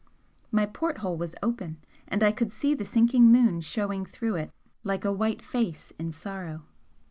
My port hole was open, and I could see the sinking moon showing through it like a white face in sorrow.